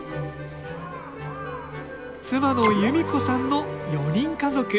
妻の由美子さんの４人家族。